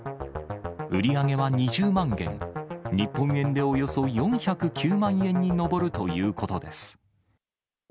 売り上げは２０万元、日本円でおよそ４０９万円に上るということです。